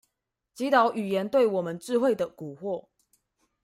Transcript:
擊倒語言對我們智慧的蠱惑